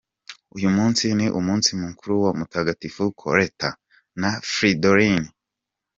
Uyu munsi ni umunsi mukuru wa Mutagatifu Colette, na Fridolin.